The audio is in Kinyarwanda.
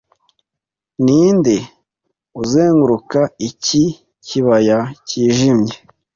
Ninde uzenguruka iki kibaya cyijimye